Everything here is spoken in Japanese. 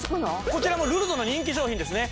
こちらもルルドの人気商品ですね